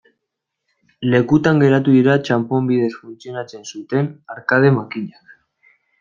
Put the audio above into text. Lekutan geratu dira txanpon bidez funtzionatzen zuten arkade makinak.